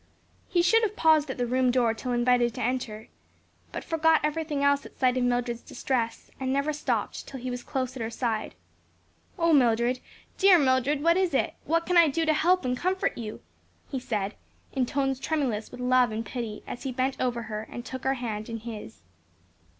He should have paused at the room door till invited to enter, but forgot everything else at sight of Mildred's distress, and never stopped till he was close at her side. "O, Mildred, dear Mildred, what is it? what can I do to help and comfort you?" he said in tones tremulous with love and pity, as he bent over her and took her hand in his.